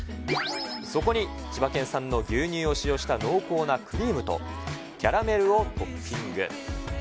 そこに、千葉県産の牛乳を使用した濃厚なクリームとキャラメルをトッピング。